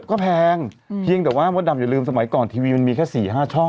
ก็แพงเพียงแต่ว่ามดดำอย่าลืมสมัยก่อนทีวีมันมีแค่๔๕ช่อง